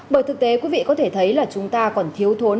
bởi thực tế quý vị có thể thấy là chúng ta còn thiếu thốn